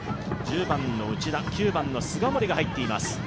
１０番の内田、９番の菅森が入っています。